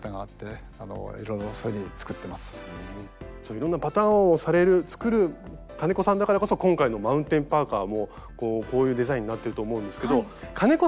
いろんなパターンをされる作る金子さんだからこそ今回のマウンテンパーカーもこういうデザインになってると思うんですけど金子